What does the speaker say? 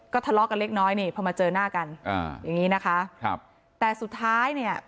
ก็ทะเลาะกันเล็กน้อยพอมาเจอหน้ากันอย่างนี้นะคะแต่สุดท้ายเนี่ย